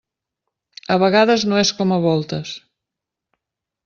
A vegades no és com a voltes.